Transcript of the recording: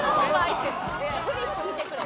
いやフリップ見てくれ。